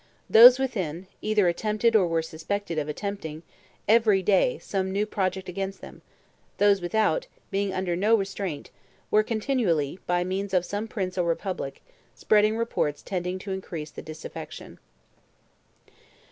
Those within, either attempted or were suspected of attempting every day some new project against them; and those without, being under no restraint, were continually, by means of some prince or republic, spreading reports tending to increase the disaffection.